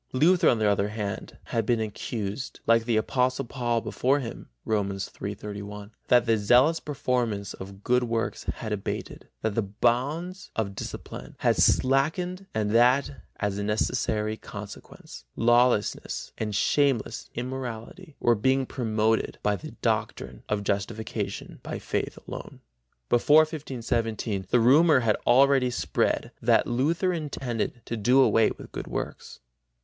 Luther, on the other hand, had been accused like the Apostle Paul before him (Rom. 3 31) that the zealous performance of good works had abated, that the bonds of discipline had slackened and that, as a necessary consequence, lawlessness and shameless immorality were being promoted by his doctrine of justification by faith alone. Before 1517 the rumor had already spread that Luther intended to do away with good works.